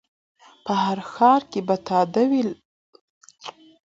په هر ښار کي به تاوده وي لنګرونه